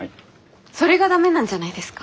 それが駄目なんじゃないですか？